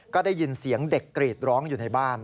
ก็ได้ยินเสียงเด็กกรีดร้องอยู่ในบ้าน